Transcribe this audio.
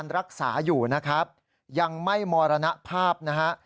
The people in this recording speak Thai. รักษาอยู่นะครับยังไม่มรณภาพนะฮะ